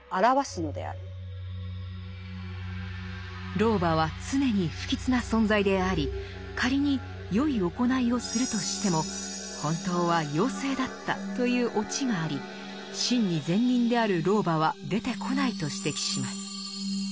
老婆は常に不吉な存在であり仮によい行いをするとしても本当は妖精だったというオチがあり真に善人である老婆は出てこないと指摘します。